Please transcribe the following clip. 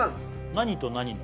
何と何の？